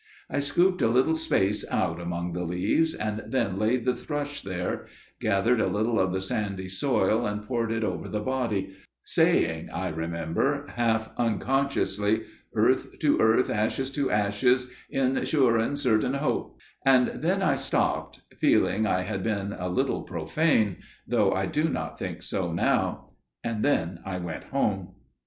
I scooped a little space out among the leaves, and then laid the thrush there; gathered a little of the sandy soil and poured it over the body, saying, I remember, half unconsciously, 'Earth to earth, ashes to ashes, in sure and certain hope'––and then I stopped, feeling I had been a little profane, though I do not think so now. And then I went home.